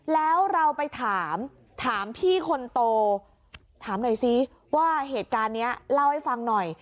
แล้วเราไปถามถามพี่คนโตถามหน่อยซิว่าเหตุการณ์นี้เล่าให้ฟังหน่อย